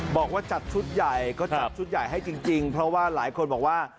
บอกว่าจัดชุดใหญ่ก็จัดชุดใหญ่ให้จริงเพราะว่าหลายคนบอกว่า